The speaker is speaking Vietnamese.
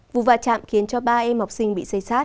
vụ vạ chạm khiến cho ba em học sinh bị xây xát